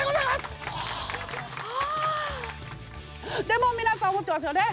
でも皆さん思ってますよね？